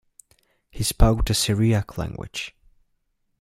He spoke the Syriac language.